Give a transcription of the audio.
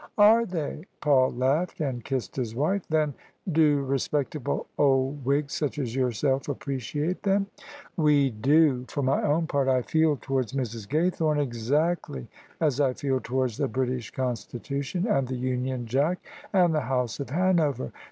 " Are they? " Paul laughed, and kissed his wife. " Then do respectable old Whigs such as yourself appreciate them? "" We do. For my part I feel towards Mrs. Gaythome exactly as I feel towards the British Constitution, and the Union Jack, and the House of Hanover.